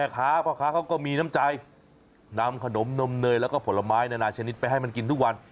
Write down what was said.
พ่อค้าเขาก็มีน้ำใจนำขนมนมเนยแล้วก็ผลไม้นานาชนิดไปให้มันกินทุกวัน